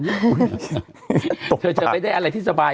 เธอจะไม่ได้อะไรที่สบาย